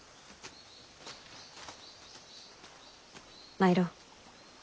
参ろう。